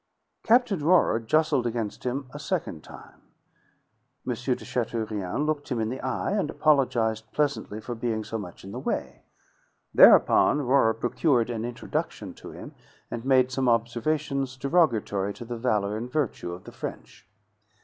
Captain Rohrer jostled against him a second time. M. de Chateaurien looked him in the eye, and apologized pleasantly for being so much in the way. Thereupon Rohrer procured an introduction to him, and made some observations derogatory to the valor and virtue of the French.